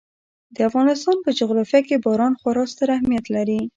د افغانستان په جغرافیه کې باران خورا ستر اهمیت لري.